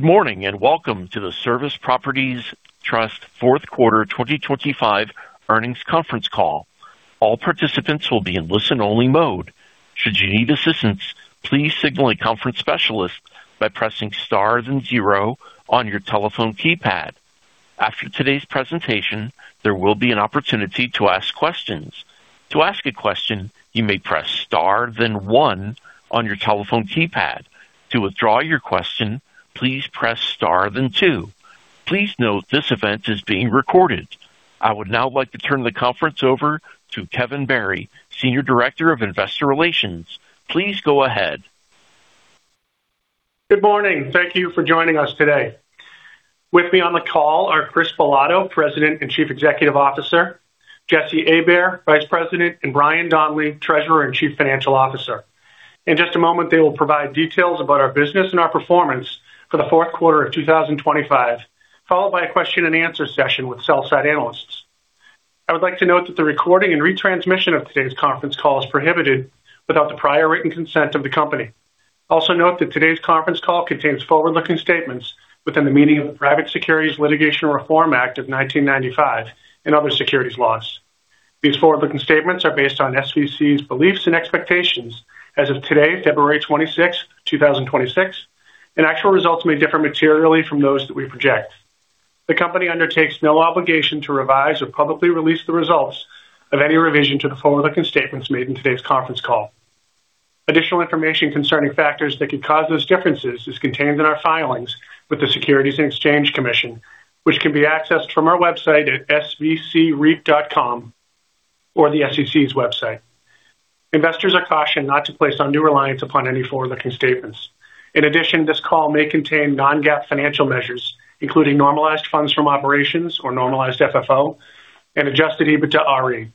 Good morning, welcome to the Service Properties Trust Fourth Quarter 2025 Earnings Conference Call. All participants will be in listen-only mode. Should you need assistance, please signal a conference specialist by pressing star then zero on your telephone keypad. After today's presentation, there will be an opportunity to ask questions. To ask a question, you may press star then one on your telephone keypad. To withdraw your question, please press star then two. Please note, this event is being recorded. I would now like to turn the conference over to Kevin Barry, Senior Director of Investor Relations. Please go ahead. Good morning. Thank you for joining us today. With me on the call are Chris Bilotto, President and Chief Executive Officer, Jesse Abair, Vice President, and Brian Donley, Treasurer and Chief Financial Officer. In just a moment, they will provide details about our business and our performance for the fourth quarter of 2025, followed by a question and answer session with sell-side analysts. I would like to note that the recording and retransmission of today's conference call is prohibited without the prior written consent of the company. Note that today's conference call contains forward-looking statements within the meaning of the Private Securities Litigation Reform Act of 1995 and other securities laws. These forward-looking statements are based on SVC's beliefs and expectations as of today, February 26th, 2026, and actual results may differ materially from those that we project. The company undertakes no obligation to revise or publicly release the results of any revision to the forward-looking statements made in today's conference call. Additional information concerning factors that could cause those differences is contained in our filings with the Securities and Exchange Commission, which can be accessed from our website at svcreit.com or the SEC's website. Investors are cautioned not to place undue reliance upon any forward-looking statements. In addition, this call may contain non-GAAP financial measures, including normalized funds from operations or normalized FFO, and adjusted EBITDAre.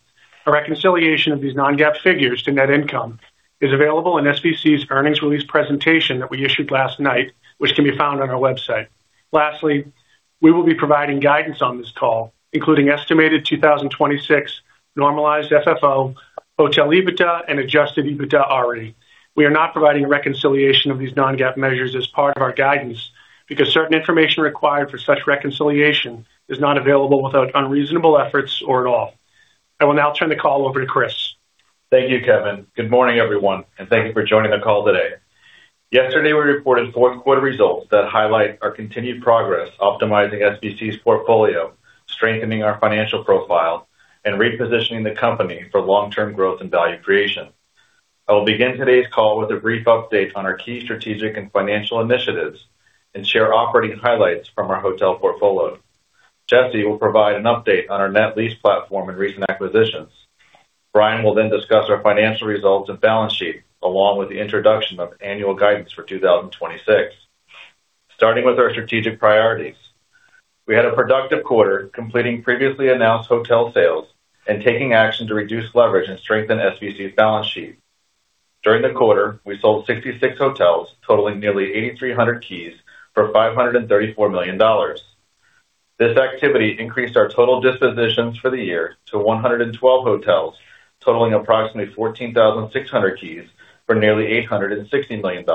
A reconciliation of these non-GAAP figures to net income is available in SVC's earnings release presentation that we issued last night, which can be found on our website. Lastly, we will be providing guidance on this call, including estimated 2026 normalized FFO, hotel EBITDA, and adjusted EBITDAre. We are not providing a reconciliation of these non-GAAP measures as part of our guidance because certain information required for such reconciliation is not available without unreasonable efforts or at all. I will now turn the call over to Chris. Thank you, Kevin. Good morning, everyone. Thank you for joining the call today. Yesterday, we reported fourth quarter results that highlight our continued progress, optimizing SVC's portfolio, strengthening our financial profile, and repositioning the company for long-term growth and value creation. I will begin today's call with a brief update on our key strategic and financial initiatives and share operating highlights from our hotel portfolio. Jesse will provide an update on our net lease platform and recent acquisitions. Brian will discuss our financial results and balance sheet, along with the introduction of annual guidance for 2026. Starting with our strategic priorities, we had a productive quarter, completing previously announced hotel sales and taking action to reduce leverage and strengthen SVC's balance sheet. During the quarter, we sold 66 hotels, totaling nearly 8,300 keys for $534 million. This activity increased our total dispositions for the year to 112 hotels, totaling approximately 14,600 keys for nearly $860 million.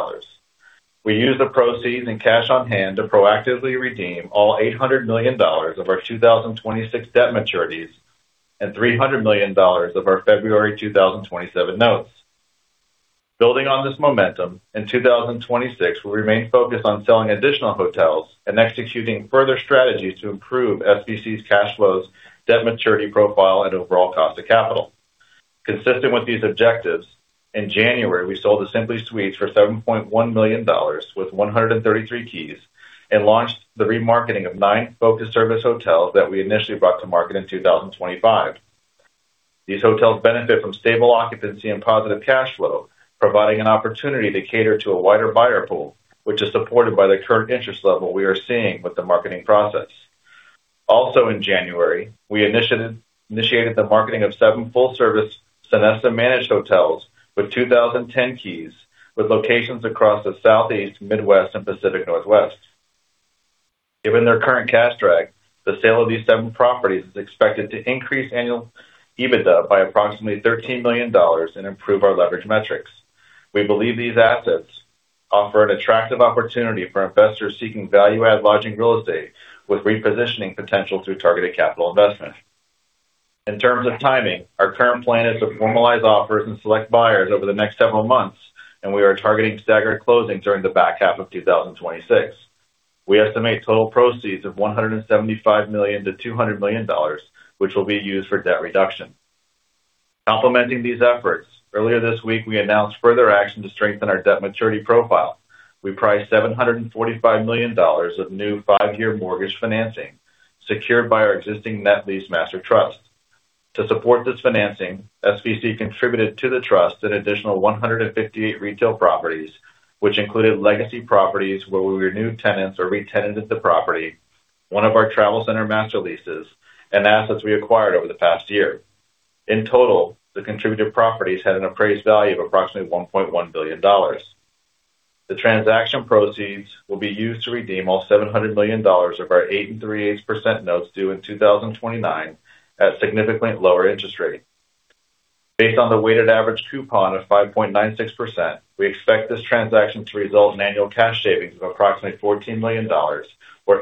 We used the proceeds and cash on hand to proactively redeem all $800 million of our 2026 debt maturities and $300 million of our February 2027 notes. Building on this momentum, in 2026, we'll remain focused on selling additional hotels and executing further strategies to improve SVC's cash flows, debt maturity profile, and overall cost of capital. Consistent with these objectives, in January, we sold the Simply Suites for $7.1 million with 133 keys and launched the remarketing of nine focused service hotels that we initially brought to market in 2025. These hotels benefit from stable occupancy and positive cash flow, providing an opportunity to cater to a wider buyer pool, which is supported by the current interest level we are seeing with the marketing process. In January, we initiated the marketing of seven full-service Sonesta managed hotels with 2,010 keys, with locations across the Southeast, Midwest, and Pacific Northwest. Given their current cash drag, the sale of these seven properties is expected to increase annual EBITDA by approximately $13 million and improve our leverage metrics. We believe these assets offer an attractive opportunity for investors seeking value-add lodging real estate with repositioning potential through targeted capital investment. In terms of timing, our current plan is to formalize offers and select buyers over the next several months, and we are targeting staggered closing during the back half of 2026. We estimate total proceeds of $175 million-$200 million, which will be used for debt reduction. Complementing these efforts, earlier this week, we announced further action to strengthen our debt maturity profile. We priced $745 million of new five-year mortgage financing, secured by our existing net lease master trust. To support this financing, SVC contributed to the trust an additional 158 retail properties, which included legacy properties where we renewed tenants or re-tenanted the property, one of our travel center master leases, and assets we acquired over the past year. In total, the contributed properties had an appraised value of approximately $1.1 billion. The transaction proceeds will be used to redeem all $700 million of our eight and 3/8% notes due in 2029 at a significantly lower interest rate. Based on the weighted average coupon of 5.96%, we expect this transaction to result in annual cash savings of approximately $14 million, or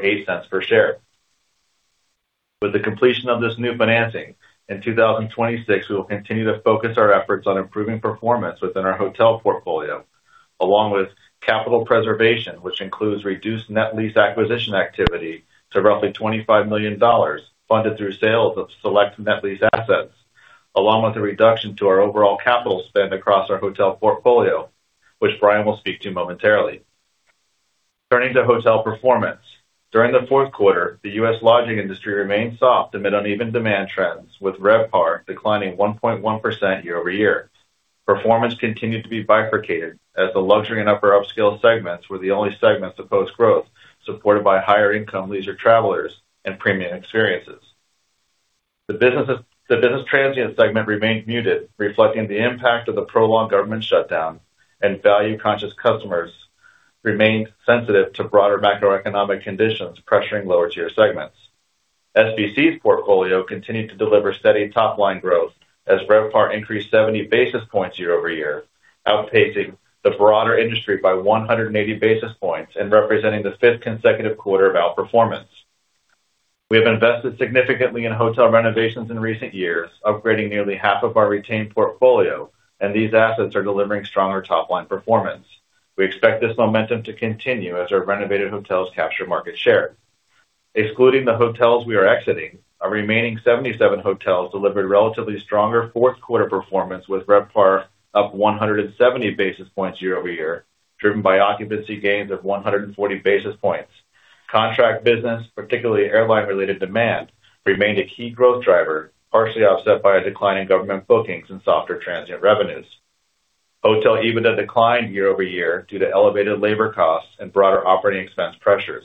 $0.08 per share. With the completion of this new financing, in 2026, we will continue to focus our efforts on improving performance within our hotel portfolio, along with capital preservation, which includes reduced net lease acquisition activity to roughly $25 million, funded through sales of select net lease assets, along with a reduction to our overall capital spend across our hotel portfolio, which Brian will speak to momentarily. Turning to hotel performance. During the fourth quarter, the U.S. lodging industry remained soft amid uneven demand trends, with RevPAR declining 1.1% year-over-year. Performance continued to be bifurcated, as the luxury and upper upscale segments were the only segments to post growth, supported by higher income leisure travelers and premium experiences. The business transient segment remained muted, reflecting the impact of the prolonged government shutdown. Value-conscious customers remained sensitive to broader macroeconomic conditions, pressuring lower-tier segments. SVC's portfolio continued to deliver steady top-line growth as RevPAR increased 70 basis points year-over-year, outpacing the broader industry by 180 basis points and representing the fifth consecutive quarter of outperformance. We have invested significantly in hotel renovations in recent years, upgrading nearly half of our retained portfolio. These assets are delivering stronger top-line performance. We expect this momentum to continue as our renovated hotels capture market share. Excluding the hotels we are exiting, our remaining 77 hotels delivered relatively stronger fourth quarter performance, with RevPAR up 170 basis points year-over-year, driven by occupancy gains of 140 basis points. Contract business, particularly airline-related demand, remained a key growth driver, partially offset by a decline in government bookings and softer transient revenues. Hotel EBITDA declined year-over-year due to elevated labor costs and broader operating expense pressures.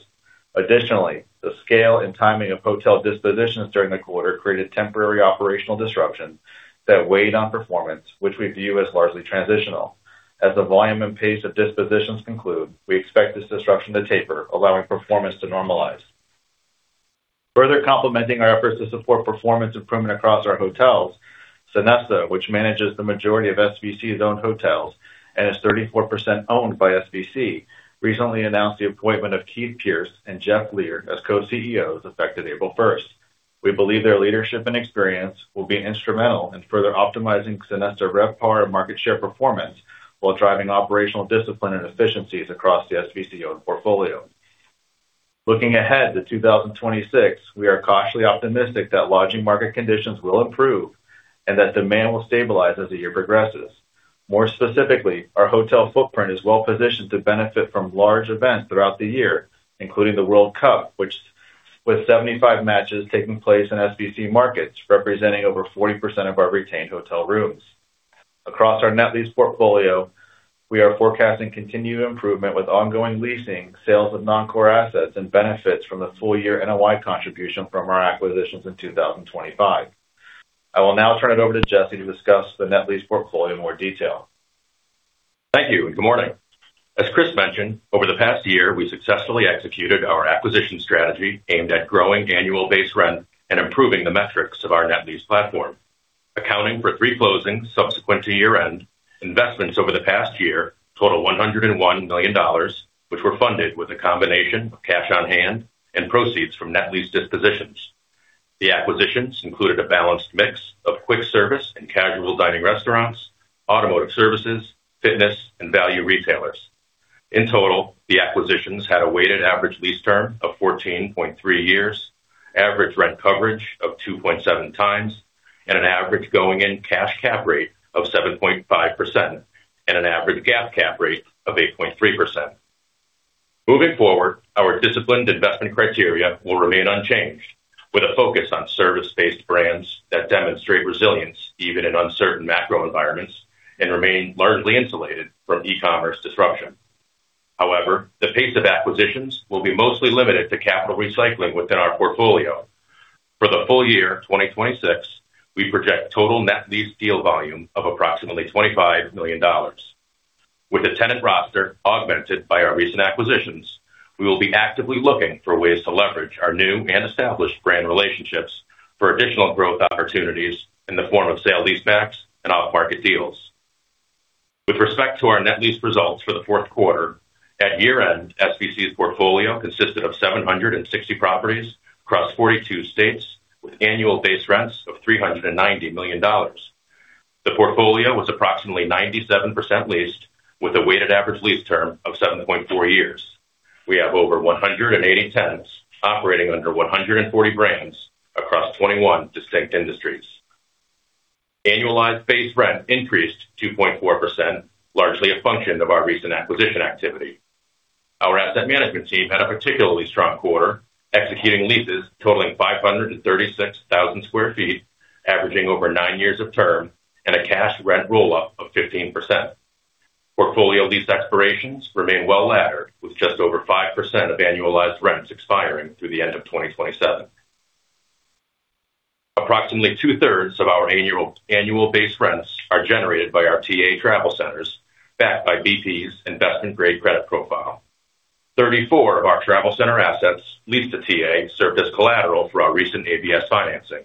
Additionally, the scale and timing of hotel dispositions during the quarter created temporary operational disruption that weighed on performance, which we view as largely transitional. As the volume and pace of dispositions conclude, we expect this disruption to taper, allowing performance to normalize. Further complementing our efforts to support performance improvement across our hotels, Sonesta, which manages the majority of SVC's owned hotels and is 34% owned by SVC, recently announced the appointment of Keith Pierce and Jeff Leer as co-CEOs, effective April 1st. We believe their leadership and experience will be instrumental in further optimizing Sonesta RevPAR and market share performance, while driving operational discipline and efficiencies across the SVC-owned portfolio. Looking ahead to 2026, we are cautiously optimistic that lodging market conditions will improve and that demand will stabilize as the year progresses. Our hotel footprint is well positioned to benefit from large events throughout the year, including the World Cup, which with 75 matches taking place in SVC markets, representing over 40% of our retained hotel rooms. Across our net lease portfolio, we are forecasting continued improvement with ongoing leasing, sales of non-core assets, and benefits from the full year NOI contribution from our acquisitions in 2025. I will now turn it over to Jesse to discuss the net lease portfolio in more detail. Thank you. Good morning. As Chris mentioned, over the past year, we successfully executed our acquisition strategy aimed at growing annual base rent and improving the metrics of our net lease platform. Accounting for three closings subsequent to year-end, investments over the past year total $101 million, which were funded with a combination of cash on hand and proceeds from net lease dispositions. The acquisitions included a balanced mix of quick service and casual dining restaurants, automotive services, fitness, and value retailers. In total, the acquisitions had a weighted average lease term of 14.3 years, average rent coverage of 2.7 times, and an average going-in cash cap rate of 7.5%, and an average GAAP cap rate of 8.3%. Moving forward, our disciplined investment criteria will remain unchanged, with a focus on service-based brands that demonstrate resilience even in uncertain macro environments and remain largely insulated from e-commerce disruption. However, the pace of acquisitions will be mostly limited to capital recycling within our portfolio. For the full year of 2026, we project total net lease deal volume of approximately $25 million. With the tenant roster augmented by our recent acquisitions, we will be actively looking for ways to leverage our new and established brand relationships for additional growth opportunities in the form of sale leasebacks and off-market deals. With respect to our net lease results for the fourth quarter, at year-end, SVC's portfolio consisted of 760 properties across 42 states, with annual base rents of $390 million. The portfolio was approximately 97% leased, with a weighted average lease term of 7.4 years. We have over 180 tenants operating under 140 brands across 21 distinct industries. Annualized base rent increased 2.4%, largely a function of our recent acquisition activity. Our asset management team had a particularly strong quarter, executing leases totaling 536,000 sq ft, averaging over nine years of term and a cash rent roll-up of 15%. Portfolio lease expirations remain well laddered, with just over 5% of annualized rents expiring through the end of 2027. Approximately two-thirds of our annual base rents are generated by our TravelCenters of America, backed by BP's investment-grade credit profile. 34 of our travel center assets leased to TA served as collateral for our recent ABS financing.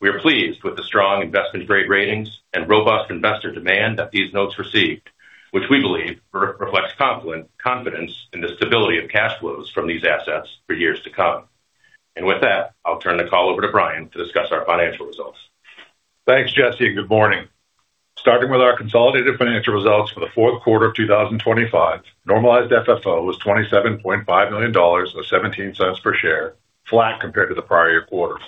We are pleased with the strong investment-grade ratings and robust investor demand that these notes received, which we believe reflects confidence in the stability of cash flows from these assets for years to come. With that, I'll turn the call over to Brian to discuss our financial results. Thanks, Jesse, and good morning. Starting with our consolidated financial results for the fourth quarter of 2025, normalized FFO was $27.5 million or $0.17 per share, flat compared to the prior year quarter.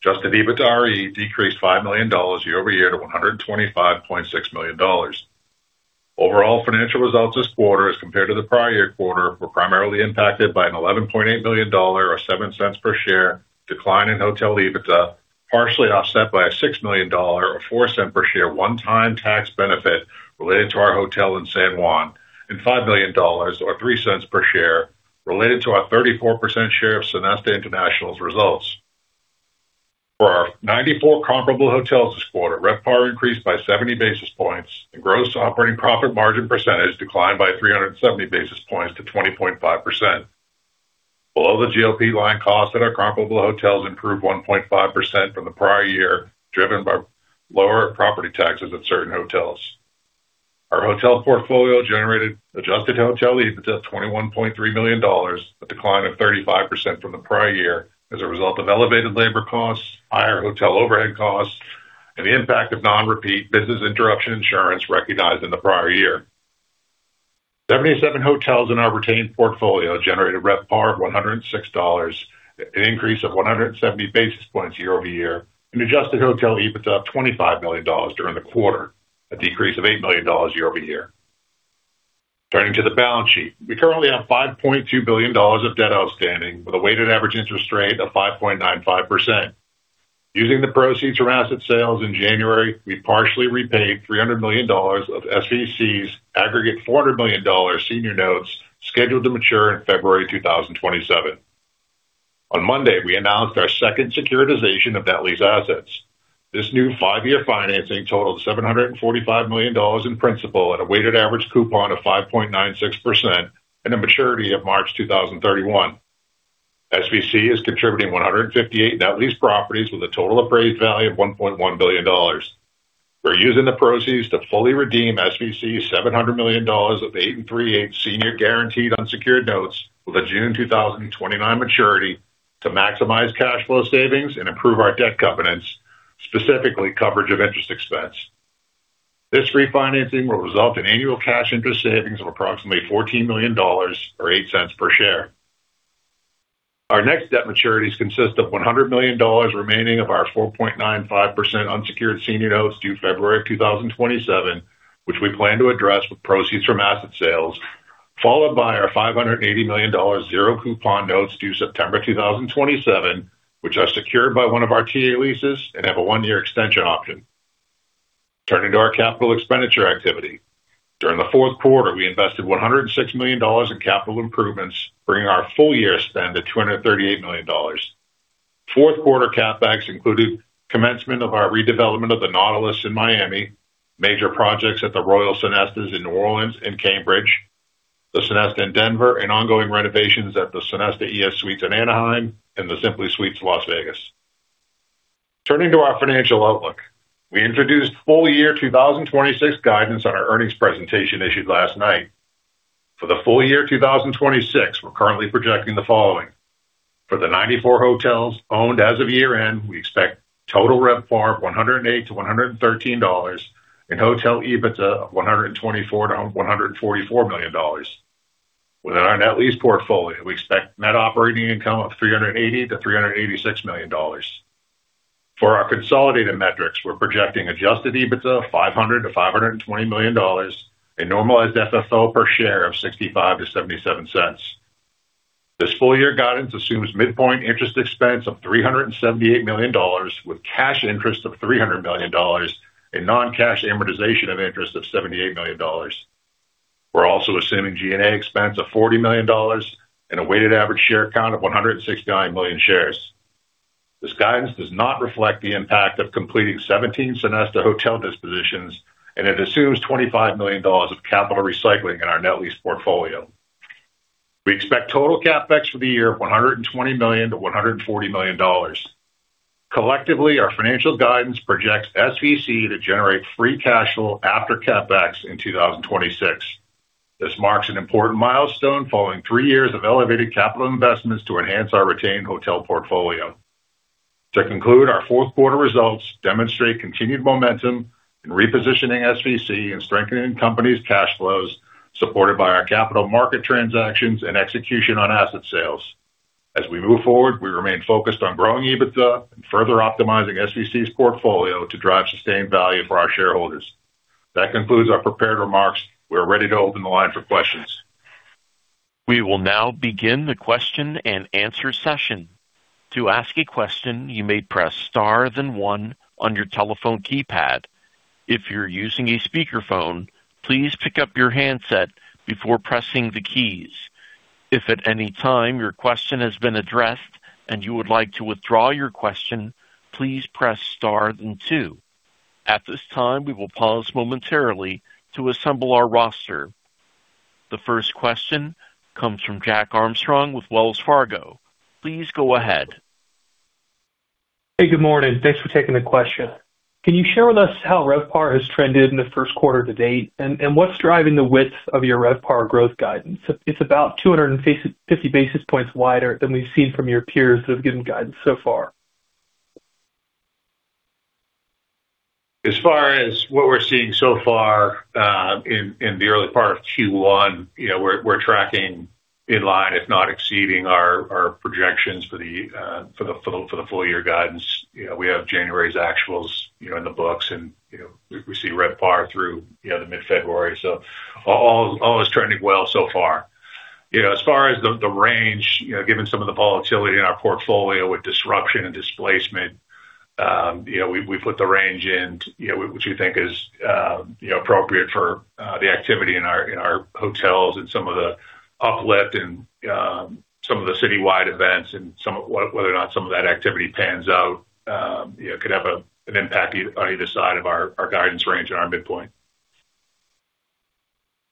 adjusted EBITDAre decreased $5 million year-over-year to $125.6 million. Overall financial results this quarter as compared to the prior year quarter, were primarily impacted by an $11.8 million or $0.07 per share decline in hotel EBITDA, partially offset by a $6 million or $0.04 per share one-time tax benefit related to our hotel in San Juan, and $5 million or $0.03 per share related to our 34% share of Sonesta International's results. For our 94 comparable hotels this quarter, RevPAR increased by 70 basis points, and gross operating profit margin percentage declined by 370 basis points to 20.5%. Below the GOP line, costs at our comparable hotels improved 1.5% from the prior year, driven by lower property taxes at certain hotels. Our hotel portfolio generated adjusted hotel EBITDA of $21.3 million, a decline of 35% from the prior year as a result of elevated labor costs, higher hotel overhead costs, and the impact of non-repeat business interruption insurance recognized in the prior year. 77 hotels in our retained portfolio generated RevPAR of $106, an increase of 170 basis points year-over-year, and adjusted hotel EBITDA of $25 million during the quarter, a decrease of $8 million year-over-year. Turning to the balance sheet. We currently have $5.2 billion of debt outstanding, with a weighted average interest rate of 5.95%. Using the proceeds from asset sales in January, we partially repaid $300 million of SVC's aggregate $400 million senior notes, scheduled to mature in February 2027. On Monday, we announced our second securitization of net lease assets. This new five-year financing totaled $745 million in principal at a weighted average coupon of 5.96% and a maturity of March 2031. SVC is contributing 158 net lease properties with a total appraised value of $1.1 billion. We're using the proceeds to fully redeem SVC's $700 million of eight and three-eighth senior guaranteed unsecured notes with a June 2029 maturity to maximize cash flow savings and improve our debt covenants, specifically coverage of interest expense. This refinancing will result in annual cash interest savings of approximately $14 million or $0.08 per share. Our next debt maturities consist of $100 million remaining of our 4.95% unsecured senior notes due February of 2027, which we plan to address with proceeds from asset sales, followed by our $580 million zero coupon notes due September 2027, which are secured by one of our TA leases and have a one-year extension option. Turning to our capital expenditure activity. During the fourth quarter, we invested $106 million in capital improvements, bringing our full-year spend to $238 million. Fourth quarter CapEx included commencement of our redevelopment of the Nautilus in Miami, major projects at the Royal Sonestas in New Orleans and Cambridge, the Sonesta in Denver, and ongoing renovations at the Sonesta ES Suites in Anaheim and the Simply Suites, Las Vegas. Turning to our financial outlook. We introduced full year 2026 guidance on our earnings presentation issued last night. For the full year 2026, we're currently projecting the following: For the 94 hotels owned as of year-end, we expect total RevPAR of $108-$113 and hotel EBITDA of $124 million-$144 million. Within our net lease portfolio, we expect net operating income of $380 million-$386 million. For our consolidated metrics, we're projecting adjusted EBITDA of $500 million-$520 million and normalized FFO per share of $0.65-$0.77. This full-year guidance assumes midpoint interest expense of $378 million, with cash interest of $300 million and non-cash amortization of interest of $78 million. We're also assuming G&A expense of $40 million and a weighted average share count of 169 million shares. This guidance does not reflect the impact of completing 17 Sonesta hotel dispositions, and it assumes $25 million of capital recycling in our net lease portfolio. We expect total CapEx for the year of $120 million-$140 million. Collectively, our financial guidance projects SVC to generate free cash flow after CapEx in 2026. This marks an important milestone following three years of elevated capital investments to enhance our retained hotel portfolio. To conclude, our fourth quarter results demonstrate continued momentum in repositioning SVC and strengthening company's cash flows, supported by our capital market transactions and execution on asset sales. As we move forward, we remain focused on growing EBITDA and further optimizing SVC's portfolio to drive sustained value for our shareholders. That concludes our prepared remarks. We're ready to open the line for questions. We will now begin the question-and-answer session. To ask a question, you may press Star then one on your telephone keypad. If you're using a speakerphone, please pick up your handset before pressing the keys. If at any time your question has been addressed and you would like to withdraw your question, please press Star then two. At this time, we will pause momentarily to assemble our roster. The first question comes from Jack Armstrong with Wells Fargo. Please go ahead. Hey, good morning. Thanks for taking the question. Can you share with us how RevPAR has trended in the first quarter to date, and what's driving the width of your RevPAR growth guidance? It's about 250, 50 basis points wider than we've seen from your peers that have given guidance so far. As far as what we're seeing so far, in the early part of Q1, you know, we're tracking in line, if not exceeding our projections for the full year guidance. You know, we have January's actuals, you know, in the books, and, you know, we see RevPAR through, you know, the mid-February. All is trending well so far. You know, as far as the range, you know, given some of the volatility in our portfolio with disruption and displacement, you know, we put the range in, you know, which we think is, you know, appropriate for, the activity in our, in our hotels and some of the uplift and, some of the citywide events and whether or not some of that activity pans out, you know, could have a, an impact on either side of our guidance range and our midpoint.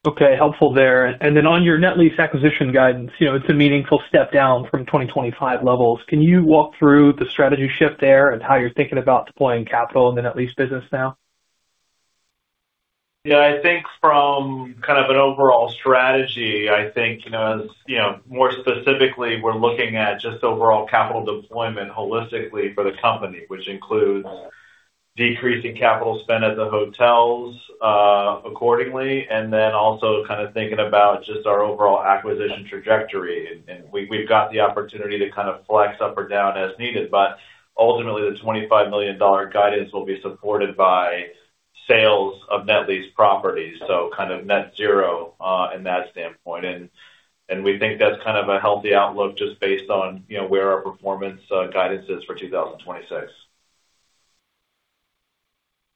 Okay, helpful there. On your net lease acquisition guidance, you know, it's a meaningful step down from 2025 levels. Can you walk through the strategy shift there and how you're thinking about deploying capital in the net lease business now? Yeah, I think from kind of an overall strategy, I think, you know, as you know, more specifically, we're looking at just overall capital deployment holistically for the company, which includes decreasing capital spend at the hotels, accordingly, and then also kind of thinking about just our overall acquisition trajectory. We've got the opportunity to kind of flex up or down as needed, but ultimately the $25 million guidance will be supported by sales of net lease properties, so kind of net zero, in that standpoint. We think that's kind of a healthy outlook just based on, you know, where our performance, guidance is for 2026.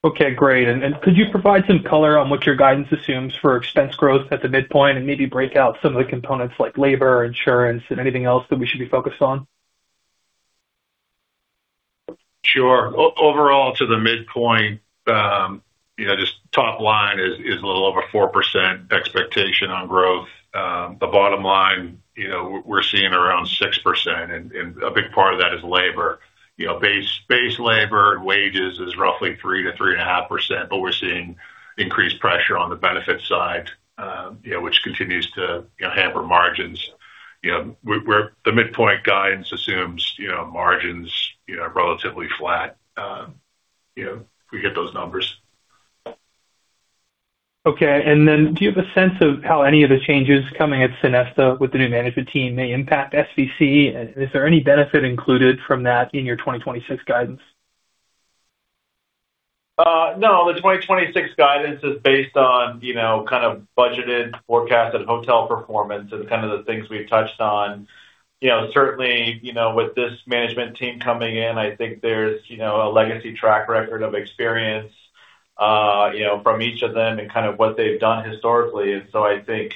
Okay, great. Could you provide some color on what your guidance assumes for expense growth at the midpoint and maybe break out some of the components like labor, insurance, and anything else that we should be focused on? Sure. Overall, to the midpoint, you know, just top line is a little over 4% expectation on growth. The bottom line, you know, we're seeing around 6%, and a big part of that is labor. You know, base labor and wages is roughly 3% to 3.5%, but we're seeing increased pressure on the benefit side, you know, which continues to, you know, hamper margins. The midpoint guidance assumes, you know, margins, you know, are relatively flat, you know, if we hit those numbers. Okay, do you have a sense of how any of the changes coming at Sonesta with the new management team may impact SVC? Is there any benefit included from that in your 2026 guidance? No, the 2026 guidance is based on, you know, kind of budgeted, forecasted hotel performance and kind of the things we've touched on. You know, certainly, you know, with this management team coming in, I think there's, you know, a legacy track record of experience, you know, from each of them and kind of what they've done historically. I think,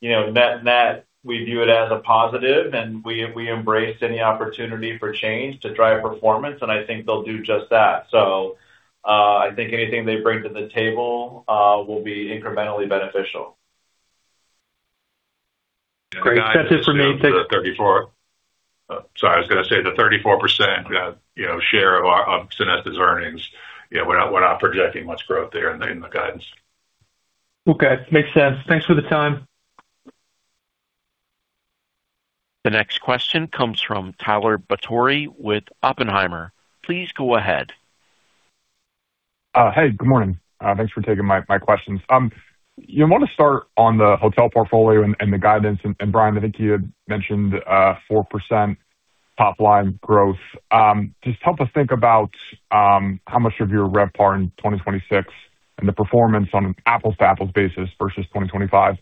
you know, net, we view it as a positive, and we embrace any opportunity for change to drive performance, and I think they'll do just that. I think anything they bring to the table, will be incrementally beneficial. Great. That's it for me. 34. Sorry, I was gonna say the 34%, you know, share of our, of Sonesta's earnings, you know, we're not, we're not projecting much growth there in the, in the guidance. Okay, makes sense. Thanks for the time. The next question comes from Tyler Batory with Oppenheimer. Please go ahead. Hey, good morning. Thanks for taking my questions. I wanna start on the hotel portfolio and the guidance. Brian, I think you had mentioned 4% top-line growth. Just help us think about how much of your RevPAR in 2026 and the performance on an apples-to-apples basis versus 2025,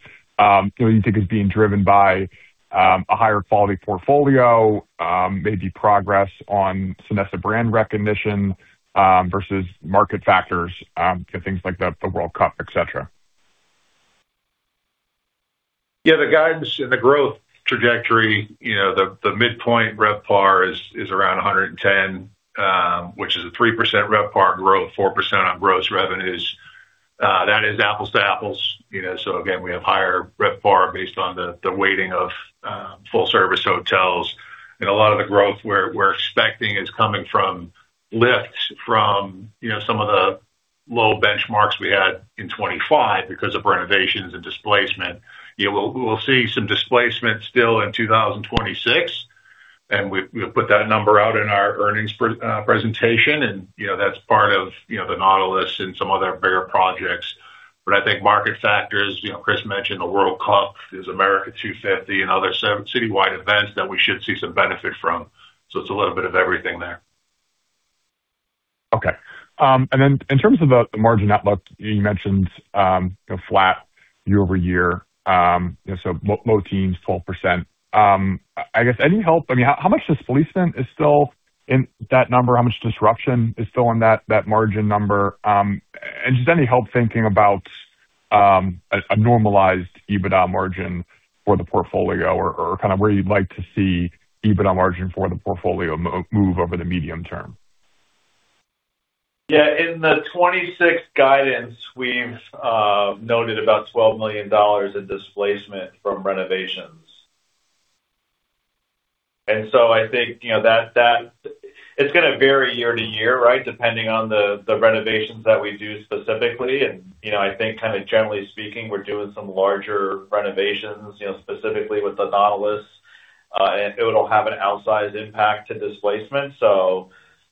do you think is being driven by a higher quality portfolio, maybe progress on Sonesta brand recognition, versus market factors, things like the World Cup, et cetera? Yeah, the guidance and the growth trajectory, you know, the midpoint RevPAR is around $110, which is a 3% RevPAR growth, 4% on gross revenues. That is apples to apples, you know, so again, we have higher RevPAR based on the weighting of full-service hotels. A lot of the growth we're expecting is coming from lifts from, you know, some of the low benchmarks we had in 25 because of renovations and displacement. You know, we'll see some displacement still in 2026, and we'll put that number out in our earnings presentation. You know, that's part of, you know, the Nautilus and some other bigger projects. I think market factors, you know, Chris mentioned the World Cup, there's America250 and other citywide events that we should see some benefit from. It's a little bit of everything there. Okay. In terms of the margin outlook, you mentioned, you know, flat year-over-year, you know, so low teens, 12%. I guess, any help. I mean, how much does police spend is still in that number? How much disruption is still in that margin number? Just any help thinking about a normalized EBITDA margin for the portfolio or kind of where you'd like to see EBITDA margin for the portfolio move over the medium term? Yeah, in the 2026 guidance, we've noted about $12 million in displacement from renovations. I think, you know, that it's gonna vary year to year, right? Depending on the renovations that we do specifically. I think kind of generally speaking, we're doing some larger renovations, you know, specifically with the Nautilus, and it'll have an outsized impact to displacement.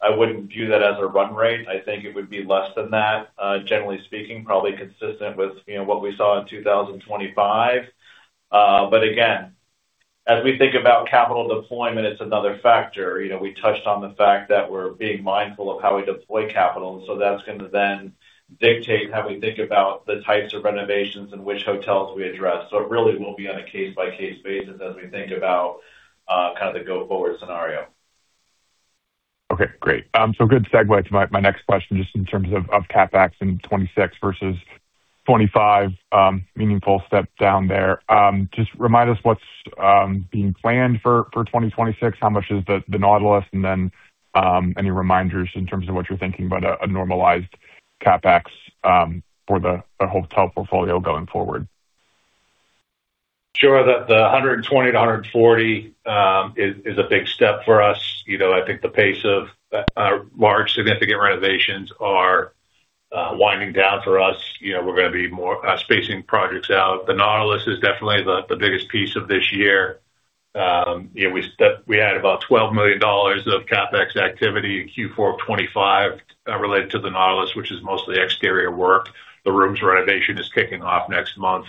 I wouldn't view that as a run rate. I think it would be less than that, generally speaking, probably consistent with, you know, what we saw in 2025. Again, as we think about capital deployment, it's another factor. You know, we touched on the fact that we're being mindful of how we deploy capital, that's gonna then dictate how we think about the types of renovations and which hotels we address. It really will be on a case-by-case basis as we think about, kind of the go-forward scenario. Okay, great. Good segue to my next question, just in terms of CapEx in 2026 versus 2025, meaningful step down there. Just remind us what's being planned for 2026. How much is the Nautilus? And then any reminders in terms of what you're thinking about a normalized CapEx for the hotel portfolio going forward. Sure. The 120-140 is a big step for us. You know, I think the pace of large significant renovations are winding down for us. You know, we're gonna be more spacing projects out. The Nautilus is definitely the biggest piece of this year. You know, we had about $12 million of CapEx activity in Q4 of 2025 related to the Nautilus, which is mostly exterior work. The rooms renovation is kicking off next month,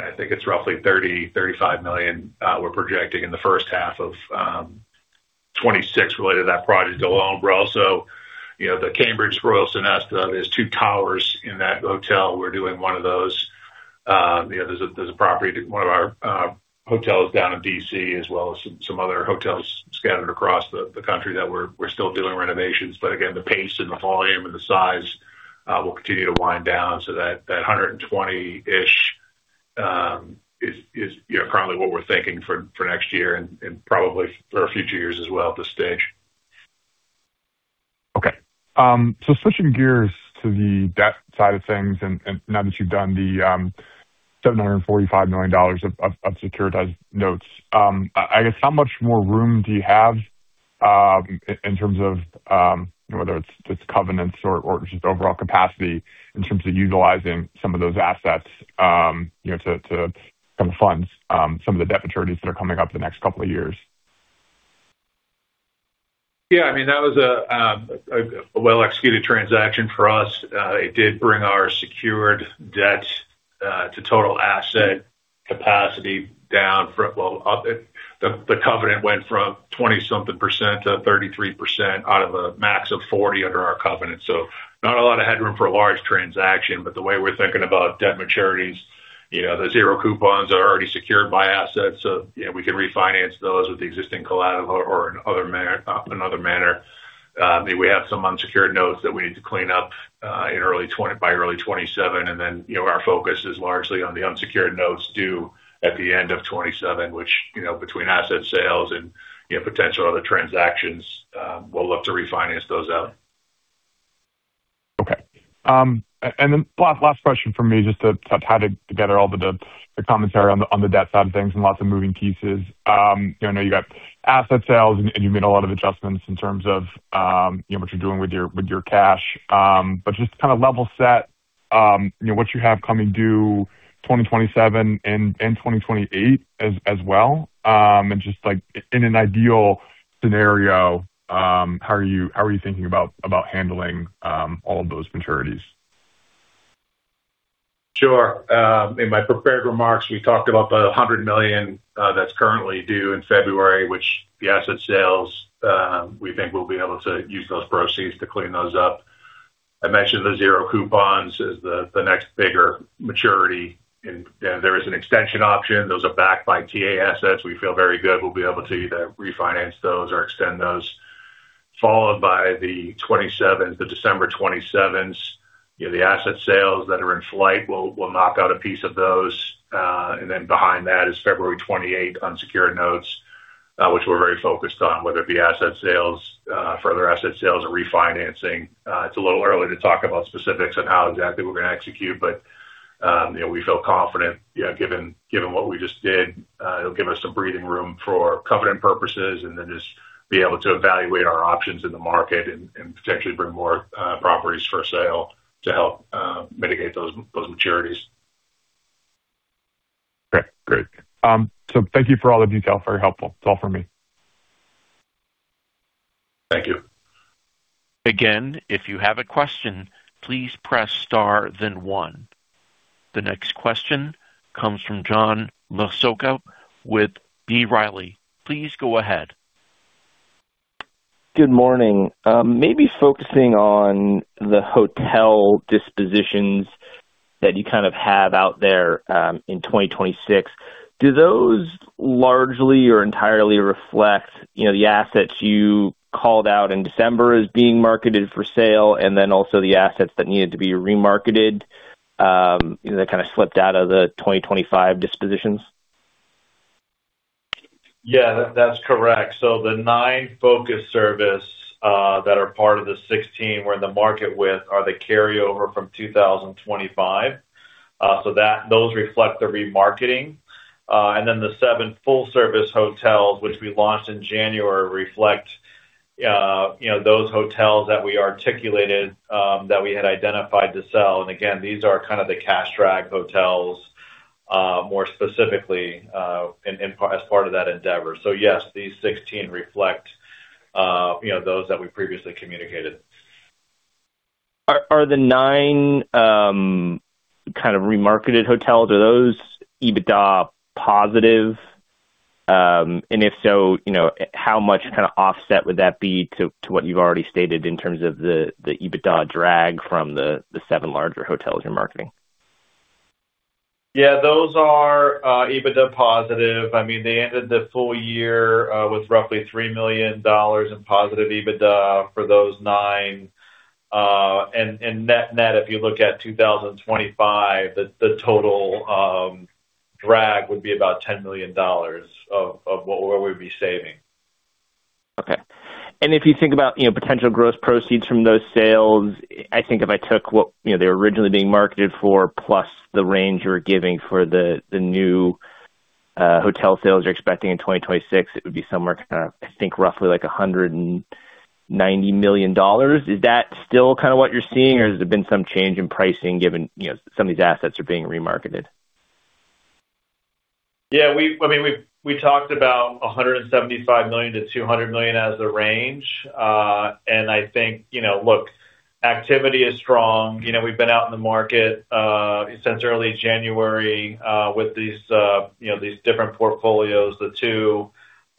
and I think it's roughly $30 million-$35 million we're projecting in the first half of 2026 related to that project alone. We're also, you know, the Cambridge Royal Sonesta, there's two towers in that hotel. We're doing one of those. you know, there's a property, one of our hotels down in D.C. as well as some other hotels scattered across the country that we're still doing renovations. Again, the pace and the volume and the size, will continue to wind down. That 120-ish, you know, currently what we're thinking for next year and probably for a few years as well at this stage. Okay. Switching gears to the debt side of things, and now that you've done the $745 million of securitized notes, I guess, how much more room do you have in terms of whether it's covenants or just overall capacity in terms of utilizing some of those assets, you know, to kind of fund some of the debt maturities that are coming up in the next couple of years? Yeah, I mean, that was a well-executed transaction for us. It did bring our secured debt to total asset capacity down from... Well, up, the covenant went from 20 something% to 33% out of a max of 40 under our covenant. Not a lot of headroom for a large transaction, but the way we're thinking about debt maturities, you know, the zero coupons are already secured by assets. You know, we can refinance those with the existing collateral or in other manner. I mean, we have some unsecured notes that we need to clean up by early 2027. You know, our focus is largely on the unsecured notes due at the end of 2027, which, you know, between asset sales and, you know, potential other transactions, we'll look to refinance those out. Okay. Then last question from me, just to kind of tie together all the commentary on the debt side of things and lots of moving pieces. You know, I know you got asset sales and you made a lot of adjustments in terms of, you know, what you're doing with your cash. Just to kind of level set, you know, what you have coming due 2027 and 2028 as well. Just like in an ideal scenario, how are you thinking about handling all of those maturities? Sure. In my prepared remarks, we talked about the $100 million that's currently due in February, which the asset sales, we think we'll be able to use those proceeds to clean those up. I mentioned the zero coupons is the next bigger maturity, and there is an extension option. Those are backed by TA assets. We feel very good. We'll be able to either refinance those or extend those, followed by the 2027, the December 2027s. You know, the asset sales that are in flight will knock out a piece of those. Behind that is February 2028 unsecured notes, which we're very focused on, whether it be asset sales, further asset sales or refinancing. It's a little early to talk about specifics on how exactly we're gonna execute, but, you know, we feel confident, you know, given what we just did, it'll give us some breathing room for covenant purposes and then just be able to evaluate our options in the market and potentially bring more properties for sale to help mitigate those maturities. Okay, great. Thank you for all the detail. Very helpful. That's all for me. Thank you. If you have a question, please press star then one. The next question comes from John Massocca with B. Riley. Please go ahead. Good morning. Maybe focusing on the hotel dispositions that you kind of have out there, in 2026. Do those largely or entirely reflect, you know, the assets you called out in December as being marketed for sale, and then also the assets that needed to be remarketed, that kind of slipped out of the 2025 dispositions? Yeah, that's correct. The nine focus service that are part of the 16 we're in the market with are the carryover from 2025. Those reflect the remarketing. Then the seven full-service hotels, which we launched in January, reflect, you know, those hotels that we articulated that we had identified to sell. Again, these are kind of the cash drag hotels, more specifically, in part, as part of that endeavor. Yes, these 16 reflect, you know, those that we previously communicated. Are the nine, kind of remarketed hotels, are those EBITDA positive? If so, you know, how much kind of offset would that be to what you've already stated in terms of the EBITDA drag from the seven larger hotels you're marketing? Yeah, those are EBITDA positive. I mean, they ended the full year with roughly $3 million in positive EBITDA for those nine. Net, net, if you look at 2025, the total drag would be about $10 million of what we would be saving. Okay. If you think about, you know, potential gross proceeds from those sales, I think if I took what, you know, they were originally being marketed for, plus the range you were giving for the new, hotel sales you're expecting in 2026, it would be somewhere kind of, I think, roughly like $190 million. Is that still kind of what you're seeing, or has there been some change in pricing, given, you know, some of these assets are being remarketed? I mean, we've, we talked about $175 million-$200 million as a range. I think, you know, look, activity is strong. You know, we've been out in the market since early January with these, you know, these different portfolios, the two,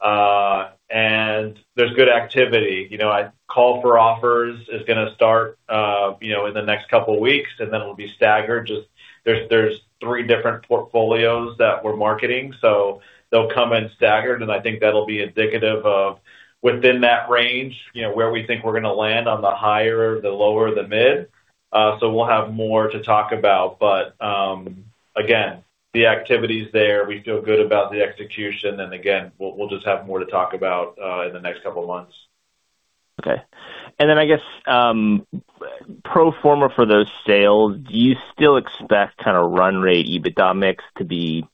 and there's good activity. You know, a call for offers is gonna start, you know, in the next couple of weeks, then it'll be staggered. Just there's three different portfolios that we're marketing, so they'll come in staggered, I think that'll be indicative of within that range, you know, where we think we're gonna land on the higher, the lower, the mid. We'll have more to talk about, but, again, the activity is there. We feel good about the execution, and again, we'll just have more to talk about in the next couple of months. Okay. I guess pro forma for those sales, do you still expect kind of run rate EBITDA mix to be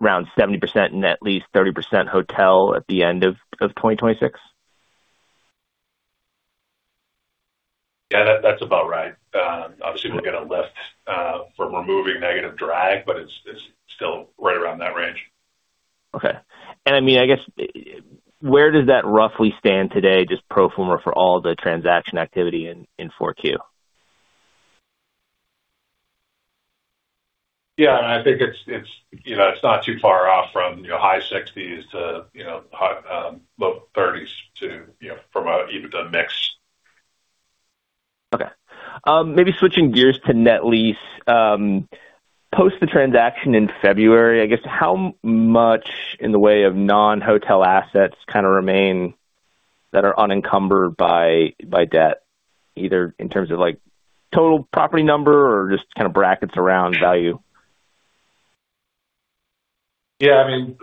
around 70% net lease, 30% hotel at the end of 2026? Yeah, that's about right. Obviously, we'll get a lift from removing negative drag, but it's still right around that range. Okay. I mean, I guess, where does that roughly stand today, just pro forma for all the transaction activity in 4Q? I think it's, you know, it's not too far off from, you know, high 60s% to, you know, low 30s% to, you know, from an EBITDA mix. Okay. Maybe switching gears to net lease. Post the transaction in February, I guess, how much in the way of non-hotel assets kind of remain that are unencumbered by debt, either in terms of, like, total property number or just kind of brackets around value? I mean,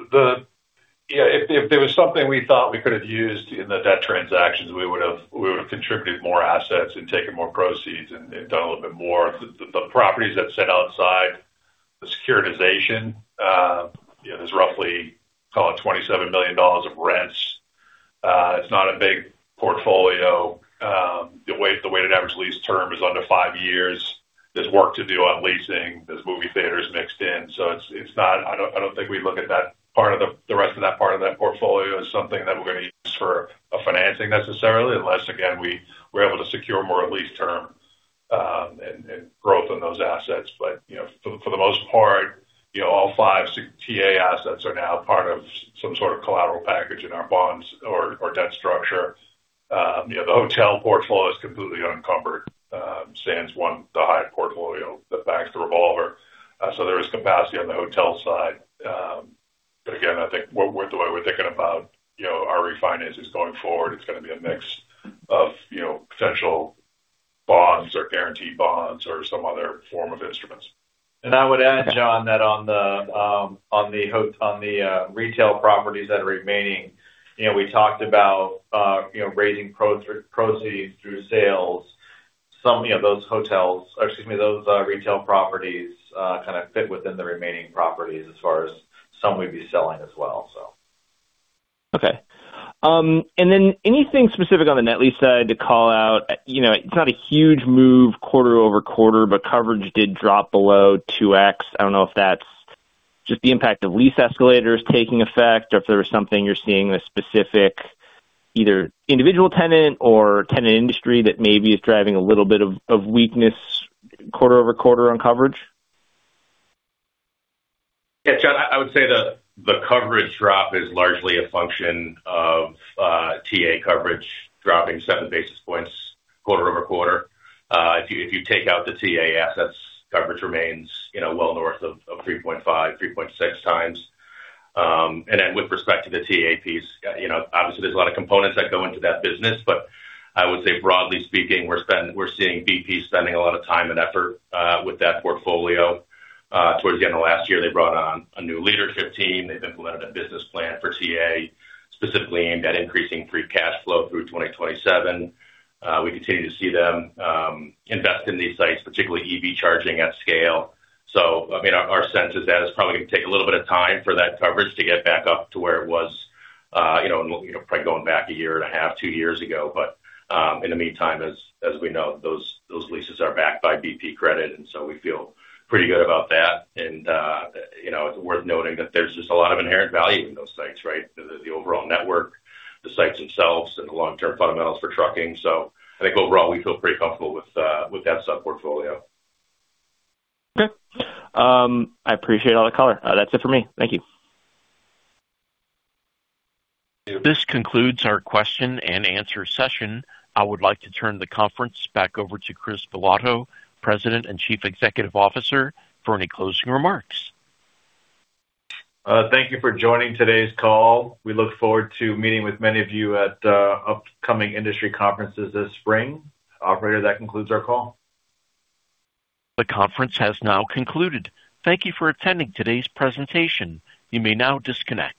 if there was something we thought we could have used in the debt transactions, we would have contributed more assets and taken more proceeds and done a little bit more. The properties that sit outside the securitization, you know, there's roughly, call it, $27 million of rents. It's not a big portfolio. The weighted average lease term is under five years. There's work to do on leasing. There's movie theaters mixed in, it's not I don't think we look at the rest of that portfolio as something that we're gonna use for a financing necessarily, unless, again, we're able to secure more of lease term and growth on those assets. You know, for the most part, you know, all five TA assets are now part of some sort of collateral package in our bonds or debt structure. You know, the hotel portfolio is completely unencumbered, sans one, the Hyatt portfolio that backs the revolver. So there is capacity on the hotel side. But again, I think the way we're thinking about, you know, our refinances going forward, it's gonna be a mix of, you know, potential bonds or guaranteed bonds or some other form of instruments. I would add, John, that on the retail properties that are remaining, you know, we talked about, you know, raising proceeds through sales. Some of those hotels, or excuse me, those, retail properties, kind of fit within the remaining properties as far as some we'd be selling as well, so. Then anything specific on the net lease side to call out? You know, it's not a huge move quarter-over-quarter, but coverage did drop below 2x. I don't know if that's just the impact of lease escalators taking effect, or if there was something you're seeing, a specific either individual tenant or tenant industry that maybe is driving a little bit of weakness quarter-over-quarter on coverage. Yeah, John, I would say the coverage drop is largely a function of TA coverage dropping 7 basis points quarter-over-quarter. If you take out the TA assets, coverage remains, you know, well north of 3.5, 3.6 times. With respect to the TA piece, you know, obviously, there's a lot of components that go into that business, but I would say, broadly speaking, we're seeing BP spending a lot of time and effort with that portfolio. Towards the end of last year, they brought on a new leadership team. They've implemented a business plan for TA, specifically aimed at increasing free cash flow through 2027. We continue to see them invest in these sites, particularly EV charging at scale. I mean, our sense is that it's probably gonna take a little bit of time for that coverage to get back up to where it was, you know, you know, probably going back a year and a half, two years ago. In the meantime, as we know, those leases are backed by BP credit. We feel pretty good about that. You know, it's worth noting that there's just a lot of inherent value in those sites, right? The overall network, the sites themselves, and the long-term fundamentals for trucking. I think overall, we feel pretty comfortable with that sub-portfolio. Okay. I appreciate all the color. That's it for me. Thank you. This concludes our question and answer session. I would like to turn the conference back over to Chris Bilotto, President and Chief Executive Officer, for any closing remarks. Thank you for joining today's call. We look forward to meeting with many of you at upcoming industry conferences this spring. Operator, that concludes our call. The conference has now concluded. Thank you for attending today's presentation. You may now disconnect.